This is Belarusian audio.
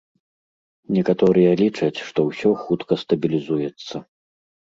Некаторыя лічаць, што ўсё хутка стабілізуецца.